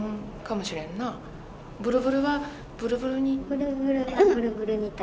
ブルブルがブルブルに。